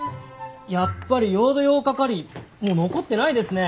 やっぱりヨード沃化カリもう残ってないですね！